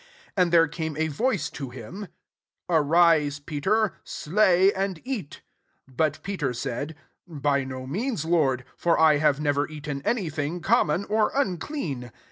13 And there cama a voice to him, " Arise, Peter ^ slay and eat" 14 But Pet said, '< By no means. Lord : foi I have never eaten any thini common or unclean.'